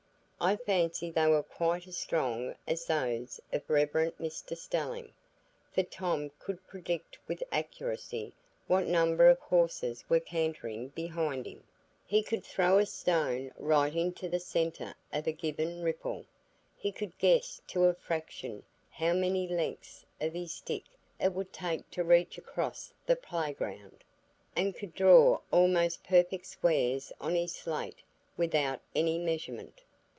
I fancy they were quite as strong as those of the Rev. Mr Stelling; for Tom could predict with accuracy what number of horses were cantering behind him, he could throw a stone right into the centre of a given ripple, he could guess to a fraction how many lengths of his stick it would take to reach across the playground, and could draw almost perfect squares on his slate without any measurement.